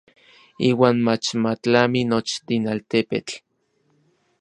Iuan mach ma tlami nochin altepetl.